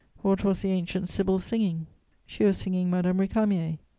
What was the ancient sybil singing? She was singing Madame Récamier.